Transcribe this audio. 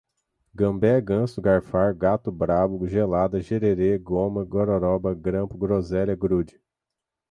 gambé, ganso, garfar, gato brabo, gelada, gererê, goma, gororóba, grampo, groselha, grude